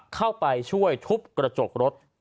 เข้าไปช่วยทุบกระจกรถ